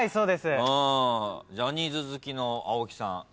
ジャニーズ好きの青木さん